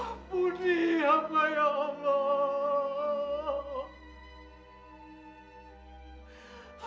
amudih hamba ya allah